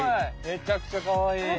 めちゃくちゃかわいい。